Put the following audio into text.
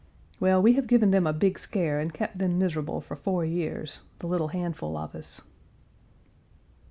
Well, we have given them a big scare and kept them miserable for four years the little handful of us.